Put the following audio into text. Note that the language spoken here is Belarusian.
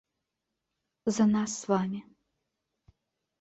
За нас з вамі.